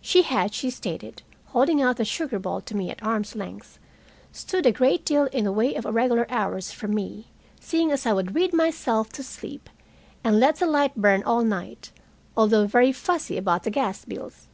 She had, she stated, holding out the sugar bowl to me at arm's length, stood a great deal in the way of irregular hours from me, seeing as I would read myself to sleep, and let the light burn all night, although very fussy about the gas bills.